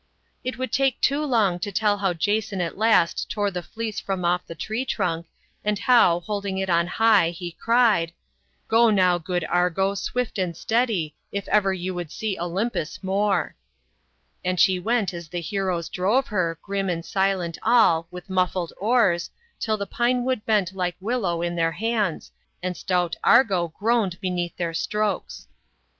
" It would take too long to tell how Jason at last tore the fleece from off the tree trunk, and how, holding it on high, he cried, c Go now, good Argo, swift and steady, if ever you would see Olympus more/ " And she went as the heroes drove her, grim and silent all, with muffled oars, till the pinewoocl bent like willow in their hands and stout Argo groaned beneath their strokes.